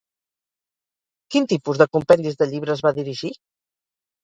Quin tipus de compendis de llibres va dirigir?